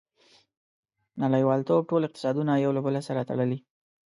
• نړیوالتوب ټول اقتصادونه یو له بل سره تړلي.